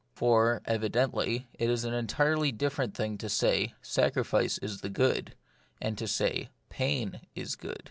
For, evidently, it is an entirely different thing to say, Sacrifice is the good ; and to say, Pain is good.